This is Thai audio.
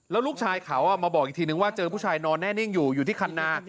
แล้วลูกชายเขามาบอกอีกทีนึงว่าเจอผู้ชายนอนแน่นิ่งอยู่อยู่ที่คันนา